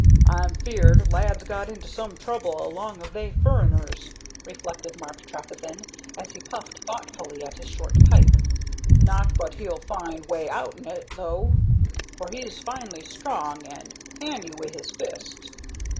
"I'm feared lad's got into some trouble along of they furriners," reflected Mark Trefethen, as he puffed thoughtfully at his short pipe. "Not but he'll find way outen it, though, for he's finely strong and handy wi' his fists.